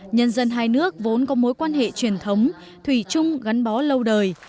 nhân dân hai nước vốn có mối quan hệ truyền thống thủy chung gắn bó lâu đời